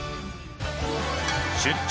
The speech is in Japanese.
出張！